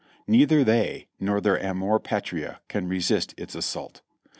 Neither they nor their amor patriae can resist its assault.